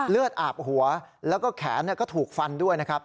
เลือดอาบหัวแล้วก็แขนก็ถูกฟันด้วยนะครับ